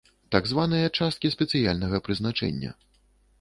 Так званыя часткі спецыяльнага прызначэння.